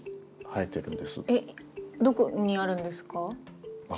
えっどこにあるんですか？